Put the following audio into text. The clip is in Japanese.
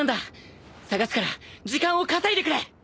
捜すから時間を稼いでくれ！